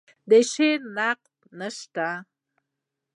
د شعر نقد نشته